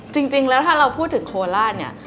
จริงแล้วถ้าเราพูดถึงโคราชเนี่ย